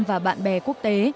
và bạn bè quốc tế